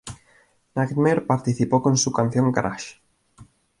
Nightmare participó con su canción Crash!